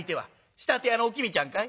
仕立て屋のおきみちゃんかい？」。